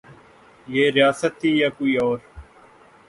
یہ ریاست تھی یا کوئی اور؟